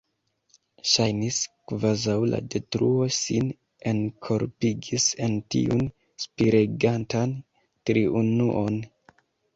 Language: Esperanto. Ŝajnis, kvazaŭ la Detruo sin enkorpigis en tiun spiregantan triunuon.